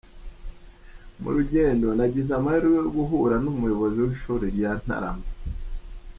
Mu rugendo nagize amahirwe yo guhura n’umuyobozi w’ishuri rya Ntarama.